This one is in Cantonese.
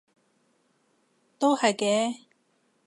都係嘅